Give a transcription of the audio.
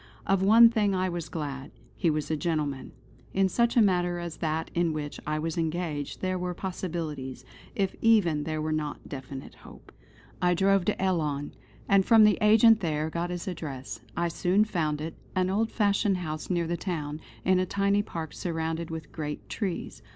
Of one thing I was glad, he was a gentleman. In such a matter as that in which I was engaged, there were possibilities, if even there were not definite hope. I drove to Ellon; and from the agent there got his address. I soon found it; an old fashioned house near the town, in a tiny park surrounded with great trees.